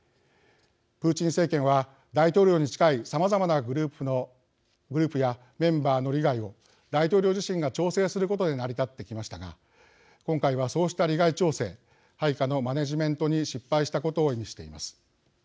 プーチン政権は、大統領に近いさまざまなグループやメンバーの利害を大統領自身が調整することで成り立ってきましたが今回は、そうした利害調整配下のマネジメントに失敗したことを意味しています。